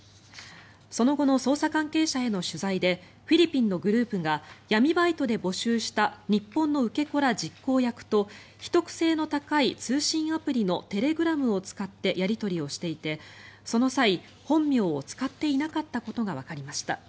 その後の捜査関係者への取材でフィリピンのグループが闇バイトで募集した日本の受け子ら実行役と秘匿性の高い通信アプリのテレグラムを使ってやり取りをしていてその際本名を使っていなかったことがわかりました。